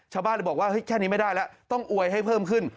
ชาวบ้านเลยบอกว่าแค่นี้ไม่ได้แล้วต้องอวยให้เพิ่มขึ้น